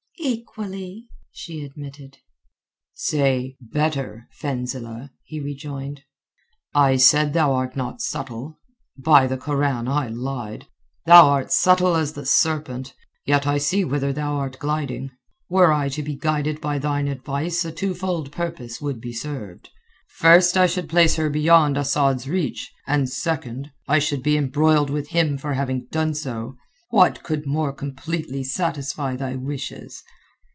"Equally," she admitted. "Say 'better,' Fenzileh," he rejoined. "I said thou art not subtle. By the Koran, I lied. Thou art subtle as the serpent. Yet I see whither thou art gliding. Were I to be guided by thine advice a twofold purpose would be served. First, I should place her beyond Asad's reach, and second, I should be embroiled with him for having done so. What could more completely satisfy thy wishes?"